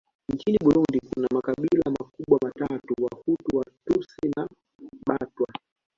Nchini Burundi kuna makabila makubwa matatu Wahutu Watutsi na Batwa